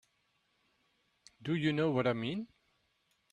Do you know what I mean?